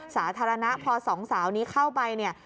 สาธารณะพอสองสาวนี้เข้าไปเนี่ย